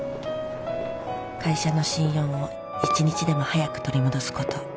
「会社の信用を一日でも早く取り戻すこと」